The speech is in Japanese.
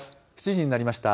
７時になりました。